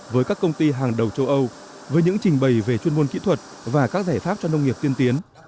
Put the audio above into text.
với các công ty hàng đầu châu âu với những trình bày về chuyên môn kỹ thuật và các giải pháp cho nông nghiệp tiên tiến